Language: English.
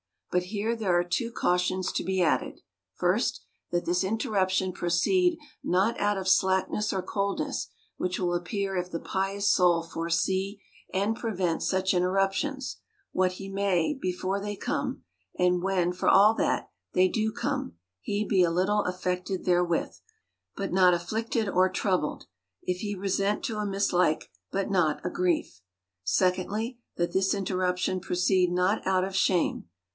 — But here there are two cautions to be added. First, that this interruption proceed not out of slackness or coldness : which will appear if the pious soul foresee and prevent such interruptions, what he may, before they come ; and when, for all that, they do come, he be a little affected therewith, but not afflicted or troubled ; if he resent to a mislike, but not a grief. Secondly, that this interruption proceed not out of shame.